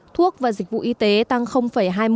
thuốc và dịch vụ y tế tăng hai mươi